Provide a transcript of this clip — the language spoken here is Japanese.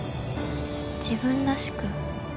自分らしく？